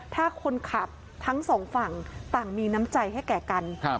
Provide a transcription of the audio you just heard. ถ้าคนขับทั้งสองฝั่งต่างมีน้ำใจให้แก่กัน